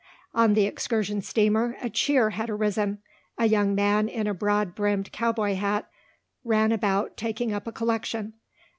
On the excursion steamer a cheer had arisen. A young man in a broad brimmed cowboy hat ran about taking up a collection.